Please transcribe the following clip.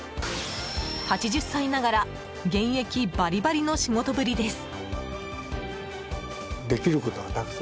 ８０歳ながら現役バリバリの仕事ぶりです。